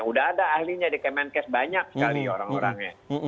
udah ada ahlinya di kemenkes banyak sekali orang orangnya